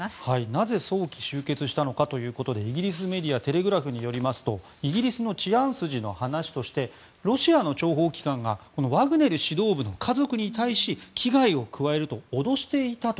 なぜ早期終結したのかということでイギリスメディアテレグラフによりますとイギリスの治安筋の話としてロシアの諜報機関がワグネル指導部の家族に対し危害を加えると脅していたと。